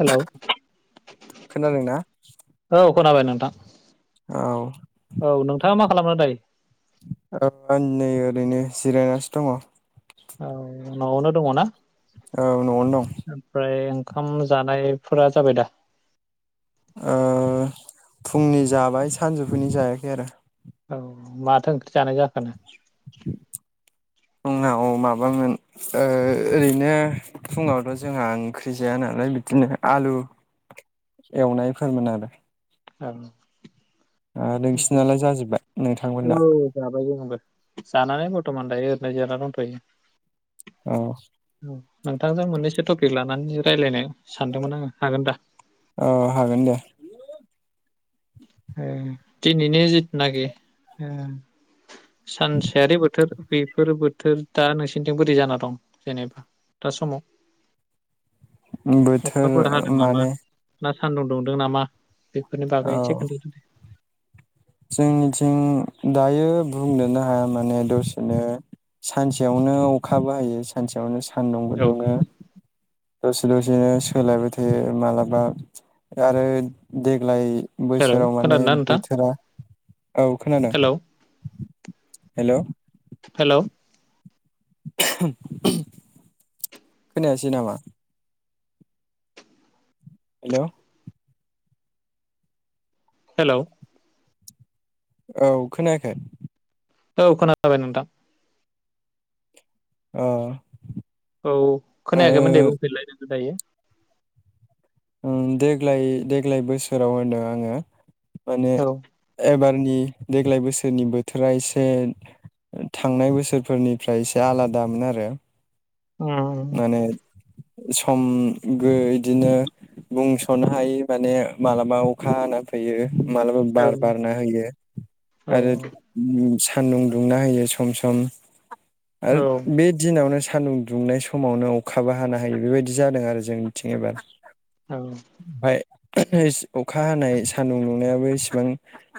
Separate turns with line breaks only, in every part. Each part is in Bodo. हेलौ
खोनादोंना
औ। खोनाबाय नोंथां।
औ
औ नोंथाङा मा खालामनो दायो?
नै ओरैनो जिरायनानैसो दङ।
औ न'आवनो दङ ना?
औ न'आवनो दं।
ओमफ्राय ओंखाम जानायफोरा जाबाय दा?
फुंनि जाबाय सानजौफुनि जायाखै आरो
औ माथो ओंख्रि जानाय जाखोनो?
फुङाव माबामोन ओरैनो फुङावथ' जोंहा ओंख्रि जाया नालाय बिदिनो आलु एवनायफोरमोन आरो।
औ
ओ नोंसिनालाय जाजोब्बाय नोंथांमोनना
औ जाबाय जोंबो जानानै बर्थ'मान दायो ओरैनो जानानै दंथ'यो।
अह
नोंथांजों मोननैसो टपिक लानानै रायज्लायनो सानदोंमोन आङो हागोन दा
औ हागोन दे।
ओ दिनैनि जिथुनाखि ओ सानसेयारि बोथोर बेफोर बोथोर दा नोंसिोरथिं बोरै जाना दं जेनेबा दा समाव
बोथोर
अखाफोर हादों नामा
माने
ना सान्दुं दुंदों नामा? बेफोरनि
औ
बागै। इसे खोन्थादो दे
जोंनिथिं दायो बुंनोनो हाया माने दसेनो सानसेयावनो अखा बाहायो सानसेयावनो सान सान्दुंबो
औ
दुङो। दसे दसेनो सोलायबाय थायो मालाबा आरो देग्लाय
हेलौ
बोसोराव माने
खोनादोंना नोंथां
बोथोरा औ खोनादों।
हेलौ
हेलौ
हेलौ
खोनायासै नामा हेलौ
हेलौ
औ खोनायाखै
औ खोनाबाय नोंथां
अह
औ खोनायाखैमोन दे बुंफैलाय लोगो दायो
उम देग्लाय देग्लाय बोसोराव होनदों आङो माने
औ
एबार नि देग्लाय बोसोरनि बोथोरा एसे थांनाय बोसोरफोरनिफ्राय एसे आलादामोन आरो
उम
माने सम गो इदिनो बुंस'नो हायि माने मालाबा अखा हाना होयो मालाबा
औ
बार बारना होयो आरो उम सा सान्दुं दुंना होयो सम सम
औ
आरो बे दिनावनो सान्दुं दुंनाय समावनो अखाबो हानो हायो बेबायदि जादों आरो जोंनिथिं एबार
औ।
ओमफाय अखा हानाय सान्दुं नुंनायाबो इसिबां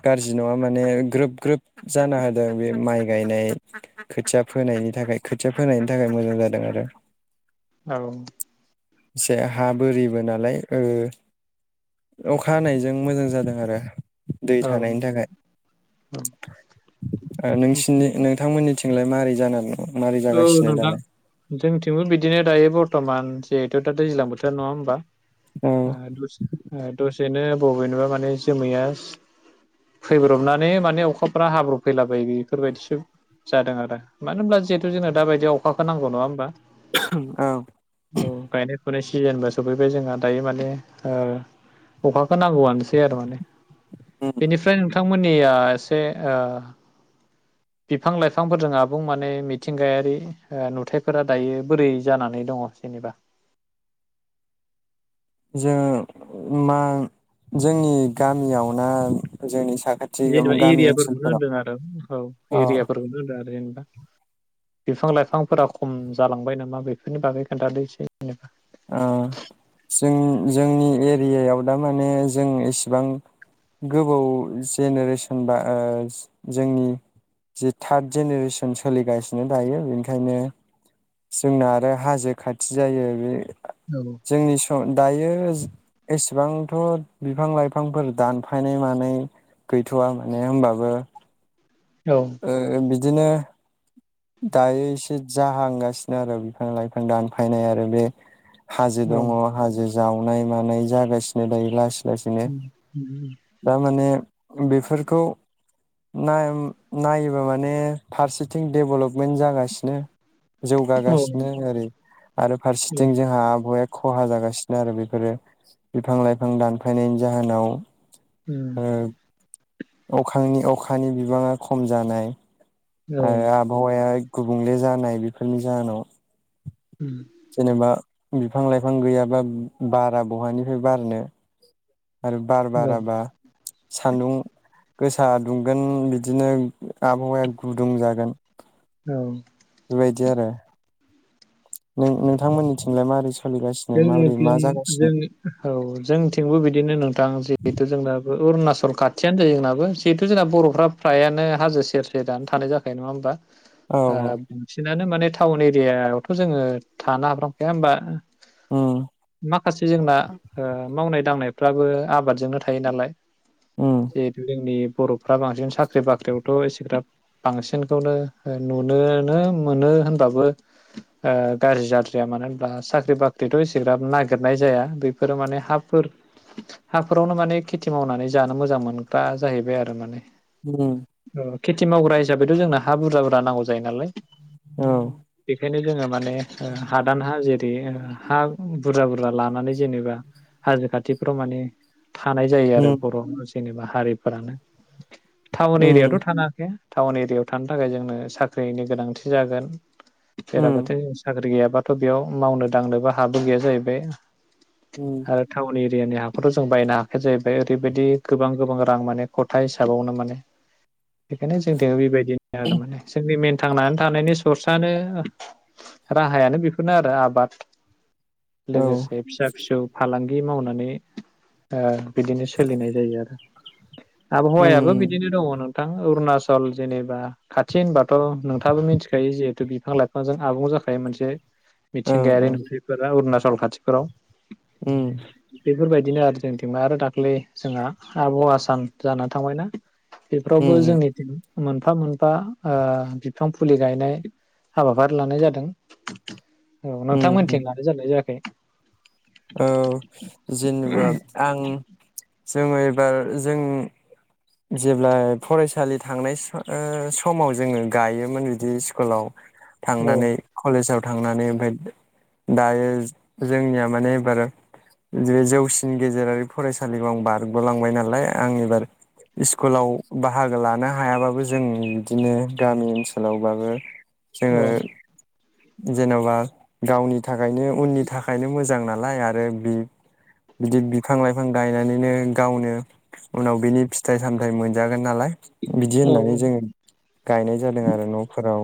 गाज्रि नङा माने ग्रोब ग्रोब जाना होदों बे माइ गायनाय खोथिया फोनायनि थाखाय खोथिया फोनायनि थाखाय मोजां जादों आरो।
औ।
एसे हा बोरिबो ना लाय ओ अखा हानायजों मोजां जादों आरो। दै
औ
थानायनि थाखाय ओ नोंसिनि नोंथांमोननि लाय मारै जानानै दं?
औ नोंथां जोंथिंबो बिदिनो दायो बरथमान जि दाथ' दैज्लां बोथोर नङा होनबा
दालाय
[unintelligible] बेनो बबेनिबा माने जोमैया फैब्रबनानै माने अखाफोरा हाब्रब फैला बायो बेफोरबायदिसो जादों आरो मानो होनब्ला ज जोंनो दा बायदियाव अखाखौ नांगौ नङा होनबा
औ।
फोनाय सिजेनबो सफैबाय जोंहा दायो माने ओ अखाखौ नांगौआनो
औ
[unintelligible] बेनिफ्राय नोंथां मोननिया एसे ओ बिफां लाइफांफोरजों आबुं माने मिथिंगायारि ओ नुथायाइफोरा दायो बोरै जानानै दङ जेनेबा।
जों मा जोंनि गामियाव ना जोंनि साखाथि
जेनेबा
गामि
एरियाफोरखौनो
ओनसोलफोराव
होनदों आरो औ
ओ
एरियाफोरखौनो होनदों आरो। जेनबा बिफां लाइफांफोरा खम जालांबाय नामा बेफोरनि बागै खोन्थादो एसे। जेनेबा
ओ जों जोंनि ए रियायाव दा माने जों इसिबां गोबाव जेनेरेसन बा ओ जोंनि जे थार्द जेनेरेसन सोलिगासिनो दायो बेनिखायनो जोंना आरो हाजो खाथि जायो बे
औ
जोंनि सम दायो एसेबांथ' बिफां लाइफांफोर दानफायनाय मानाय गैथ'वा माने होनबाबो
औ
ओ बि दिनो दायो एसे जाहांगासिनो आरो बिफां लाइफां दानफायनाय आरो बे हाजो
औ
दङ हाजो जावनाय मानाय जागासिनो दायो लासै लासिनो।
औ
दा माने बेफोरखौ नाय नायोबा माने फारसेथिं देबलब मेन्थ जागासिनो
औ
जौगागासिनो ओरै आरो फारसेथिं जोंहा आबहावाया खहा जागासिनो आरो बेफोरो बिफां लाइफां दानफायनायनि जाहोनाव ओ अखांनि अ खानि बिबाङा खम जानाय,
औ।
हावाया गुबुंले जानाय बेफोरनि जाहोनाव।
[inaudible]
जेनेबा बिफां लाइफां गैयाब्ला बारा बहानिफ्राय बारनो? आरो बार बाराबा सान्दुं गोसा दुंगोन बिदिनो आबहावाया गुदुं जागोन। बेबायदि आरो। नों नोंथांमोननिथिंलाय मारै स
जोंनिथिं जोंनि औ जोंथिंबो बिदिनो नोंथां जिहेथु जोंना अरुणाचल खाथियानो जायो जोंनाबो जिहेथु जोंना बर'फ्रा फ्रायानो हाजो सेरसेेर आनो थानाय जाखायो नङा होमबा?
औ
आ
औ
बांसिन नानो माने टाउन एरियाायावथ' जोङो थानो हाफ्रामखाया होमबा
उम।
माखासे जोंना ओ मावनाय दांनायफ्राबो आबादजोंनो थायो नालाय?
उम
जे जोंनि बर'फ्रा बांसिन साख्रि बाख्रियावथ' एसेग्राब बांसिनखौनो ओ नुनोनो मोनो होनबाबो ओ गाज्रि जाद्रिाया। मानो होनब्ला साख्रि बा ख्रिथ' एसेग्राब नागिरनाय जाया। बेफोरो माने हाफोर हाफोरावनो माने खेथि मावनानै जानो मोजां मोनग्रा जाहैबाय आरो माने।
उम।
खेथि मावग्रा हिसाबैथ' जोंनो हा बुरजा बुरजा नांगौ जायो नालाय
औ
बेखायनो जोङो माने हादानहा जेरै बुरजा बुरजा लानानै जेनेबा हाजो खाथिफ्राव माने थानाय जायो आरो
उम
बर' जेनेबा हारिफोरानो टाउन
उम
एरियावथ' थानो हाखाया टाउन एरियाायाव थानो थाखाय जोंनो साख्रिनि गोनांथि जागोन
उम
बेेराबाथो साख्रि गैयाबा बाथ' बेयाव मावनो दांनोबो हाबो गैया जाहैबाय
उम
आरो थाउनि इरियानि हाखौथ' जों बायनो हाखाया जाहैबाय ओरैबायदि गोबां गोबां रां माने खथा हिसाबावनो माने बेखायनो जों दा बेबायदिनो आरो माने जोंनि मेन थांनानै थानायनि सर्सानो राहायानो बेफोरनो आरो आबाद
औ
लोगोसे फिसा फिसौ फालांगि दि मावनानै बिदिनो सोलिनाय जायो आरो आबहावायाबो
उम
बिदिनो दङ नों थां अरुणाचल जेनेबा खाथि होनबाथ' नोंथाङाबो मिथिखायो जिहेथु बिफां लाइफांजों आबुं जाखायो मोनसे
औ
मिथिंगायारि
औ
नुथाय अरुणाचल खाथिफोराव
उम।
बेफोरबायदिनो आरो जोंथिंना आरो दाख्लै जोंहा आबहावा सान जाना थांबायना। बेफोरावबो
उम
जोंनिथिं मोनफा मोनफा ओ बिफां फुलि गायनाय हाबाफारि लानाय जादों। औ नोंथां
उम उम
मोनथिं ना [unintelligible]
औ जेनेबा आं जोङो एबार जों जेब्ला फरायसालि थांनाय ओ समाव जोङो गायोमोन बिदि स्कुलाव
औ
थांनानै कलेजाव थांनानै ओमफ्राय दायो जोंनिया माने एबार बे जौसिन गेजेरारि फरायसालिखौ आं बारग'लांबाय नालाय आं एबार स्कुलाव बाहागो लानो हायाबाबो जों बिदिनो गामि ओनसोलावबाबो जोङो
औ
जेन'बा गावनि थाखायनो उननि थाखायनो मोजां नालाय आरो बि बिदि बिफां लाइफां गायनानैनो गावनो उनाव बिनि फिथाइ सामथाइ मोनजागोन नालाय। बिदि
औ
होननानै जोङो गायनाय जादों आरो न'फोराव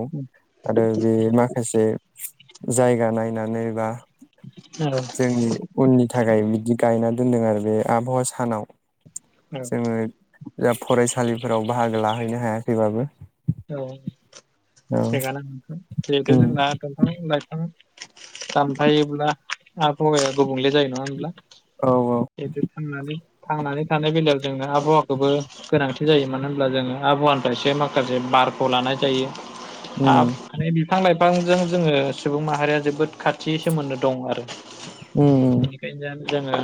आरो बे माखासे जायगा नायनानै बा जोंनि उननि थाखाय बिदि गायना दोनदों आरो बे आबहावा सानाव।
औ
जोङो जा फरायसालिफोराव बाहागो लाहैनो हायाखैबाबो।
औ
औ
थिगानो जेहुथु जोंना दंफां लाय फां दानफायोब्ला आबहावाया गुबुंले जायो नङा होनब्ला।
औ औ
जेहुथु थांनानै थांनानै थानाय बेल [unintelligible] जोंनो आबहावाखौबो गोनांथि जायो मानो होनब्ला जोङो आबहावानिफ्रायसो माखासे बारखौ लानाय जायो।
उम
आब माने बिफां लाय फांजों जोङो सुबुं माहारिया जोबोद खाथि सोमोन्दो दं आरो।
उम उम।
बेनिखायनो जोङो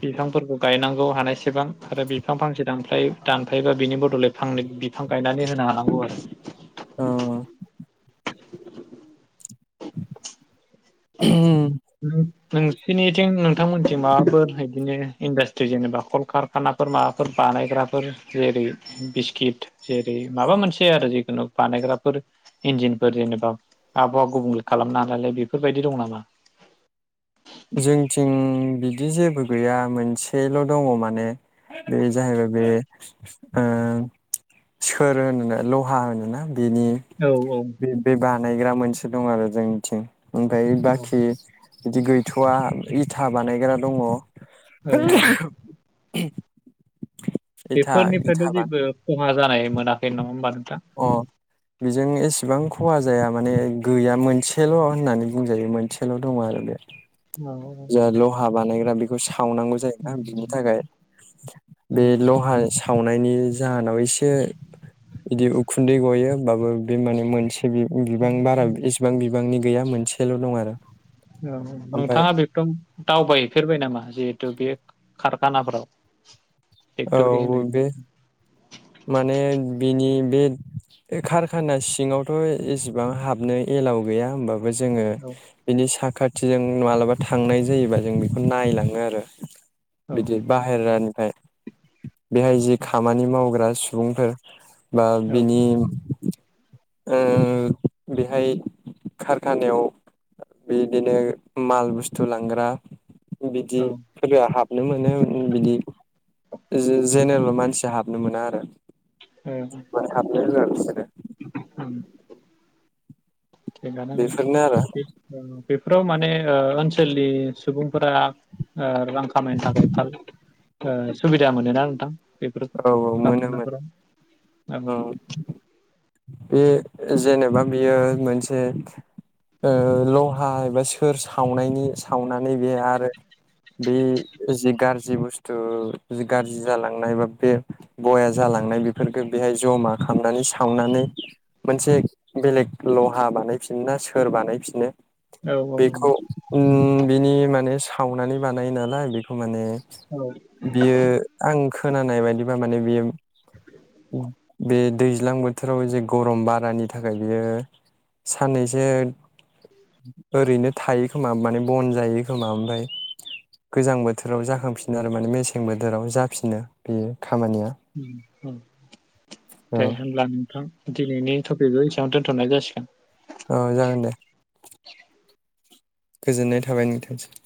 बिफांफोरखौ गायनांगौ हानायसेबां आरो बिफां फांसे दानफाय दानफायोबा बिनि बदलै फांनै बिफां गायनानै होनो हानांगौ आरो।
अ। [unintelligible]
नोंसिनिथिं नोंथांमोनथि माबाफोर बिदिनो इन्डास्ट्रि जेनेबा कलकारखानाफोर माबाफोर बानायग्राफोर जेरै बिस्किट जेरै माबा मोनसे आरो जिखुनु बानायग्राफोर इन्जिनफोर जेनेबा आबहावा गुबुंले खालामनो हालायालाय बे फोरबायदि दं नामा?
जोंथिं बिदि जेबो गैया मोनसेल' दङ माने। बे जाहैबाय बे ओ सोर होना लहा होनोना बेनि
औ औ
बे बानाय ग्रा मोनसे दं आरो जोंनिथिं ओमफ्राय बाखि
औ
बिदि गै थ'वआ इथा बानायग्रा दङ।
औ
[unintelligible] [unintelligible] इथा
बेफोरनिफ्रायबो
इथा बा
जेबो खहा जानाय मोनाखै नङा होनोमबा नों
अ बेजों एसेबां खहा जाया माने गैया मोनसेल' होननानै बुंजायो मोनसेल' दङ आरो बे
औ
जे लहा बानायग्रा बेखौ सावनांगौ जायोना बिनि थाखाय बे
उम
लहा सावनायनि जाहोनाव एसे बिदि उखुन्दै गयो होनबाबो बे माने मोनसे बि बिबां बारा इसेबां बिबांनि गैया मोनसेल दं आरो
औ
ओमफ्राय
नोंथाङा बेफराव दावबायहैफेरबाय नामा जिहेथु बे खारखानाफ्राव
औ बे माने बिनि बे खारखाना सिङावथ एसेबां हाबनो एलाव गैया होमबा बो जोङो
औ
बिनि साखाथि खाथिजों मालाबा थांनाय जायोबा जों बेखौ नायलाङो आरो बिदि
औ
बाहेरानिफ्राय बेहाय जि खामानि मावग्रा सुबुंफोर बा
औ
बिनि ओ बेहाय खारखानायाव बिदिनो माल बुस्थु लांग्रा बिदि
औ
फोरा हाबनो मोनो मोनो बिदि जे‌ज जेनेरेल मानसिया हाबनो मोना आरो
औ
मानो हाबनो‌ होआ बिसोरो
उम थिगानो
बेफोरनो आरो
बेफोर औ। बेफोराव माने ओ ओनसोलनि सुबुंफोरा ओ। रां खामायनो थाखाय फाल ओ सुबिदा मोनोना नोंथां। बेफोर
औ औ मोनो
कारखाना
मोनो
फोराव औ।
बे जेनेबा बेयो मोनसे ओ लहा एबा सोर सावनायनि सावनानै बे आरो, बे जि गारजि बुस्थु गारजि जालांनाय बा बे बया जालांनाय बेफोरफोरखो बेहाय जमा खामनानै सावनानै। मोनसे बेलेग लहा बानायफिनो ना सोर बानायफिनो?
औ औ
बेखौ उम बिनि माने सावनानै बानायो नालाय बेखौ। माने
औ
बियो आं खोनानाय बायदिबा माने बियो बे दैज्लां बोथोराव जे गरम बारानि थाखाय बियो साननैसो ओरैनो थायो खोमा माने बन जायो खोमा, ओमफाय गोजां बोथोराव जाखांफिनो आरो माने मेसें बोथोराव जाफिनो बियो।
उम
औ
दे होनब्ला नोंथां। दिनैनि थपिकगो एसेयावनो दोनथनाय जासिगोन।
अ जागोन दे गोजोननाय थाबाय नोंथांसिम।